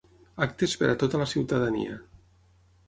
Actes per a tota la ciutadania.